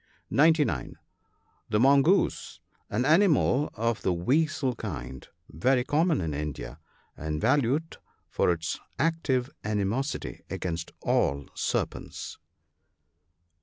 (990 The Mongoose, — An animal of the weasel kind, very common in India, and valued for its active animosity against all serpents.